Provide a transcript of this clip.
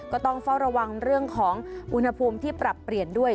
ก็ต้องเฝ้าระวังเรื่องของอุณหภูมิที่ปรับเปลี่ยนด้วย